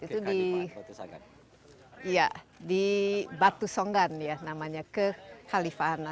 itu di batu songgan ya namanya ke khalifana